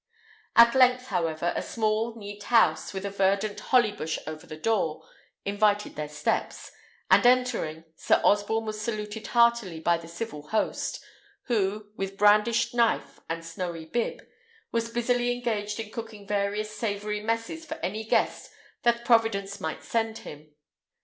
At length, however, a small, neat house, with a verdant holly bush over the door, invited their steps, and entering, Sir Osborne was saluted heartily by the civil host, who, with brandished knife and snowy bib, was busily engaged in cooking various savoury messes for any guest that Providence might send him.